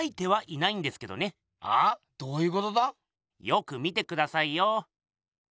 よく見てくださいよ。